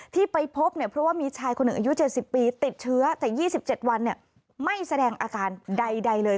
ที่ไปพบเนี่ยเพราะว่ามีชายคนหนึ่งอายุ๗๐ปีติดเชื้อแต่๒๗วันไม่แสดงอาการใดเลย